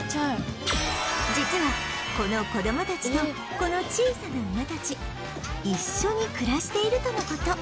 実はこの子どもたちとこの小さな馬たち一緒に暮らしているとの事